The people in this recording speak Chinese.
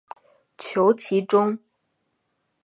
求其中